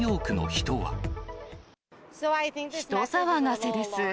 人騒がせです。